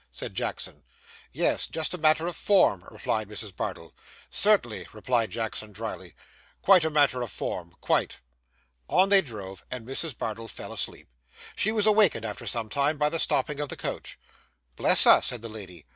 said Jackson. 'Yes. Just as a matter of form,' replied Mrs. Bardell. 'Certainly,' replied Jackson drily. 'Quite a matter of form. Quite.' On they drove, and Mrs. Bardell fell asleep. She was awakened, after some time, by the stopping of the coach. 'Bless us!' said the lady.